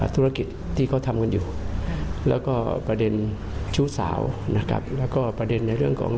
ธุรกิจที่เขาทำกันอยู่แล้วก็ประเด็นชู้สาวนะครับแล้วก็ประเด็นในเรื่องของ